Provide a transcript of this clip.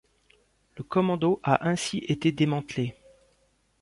Le commando a ainsi été démantelé.